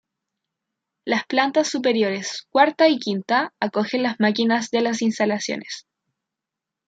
Las plantas superiores, cuarta y quinta, acogen las máquinas de las instalaciones.